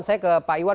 saya ke pak iwan